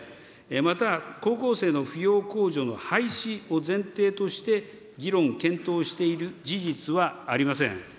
また高校生の扶養控除の廃止を前提として、議論、検討している事実はありません。